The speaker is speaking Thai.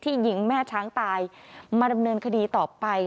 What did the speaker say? ยิงแม่ช้างตายมาดำเนินคดีต่อไป